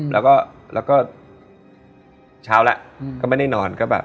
แล้วก็เช้าแล้วก็ไม่ได้นอนก็แบบ